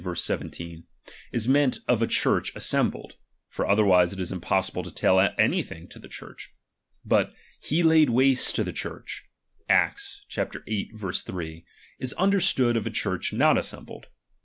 !7), is meant of a Church assembled ; for otherwise it is impossible to tell ^K any thing to the Church. But He laid waste ^H the Church, (Acts viii. 3), is understood of a ^H Church not assembled.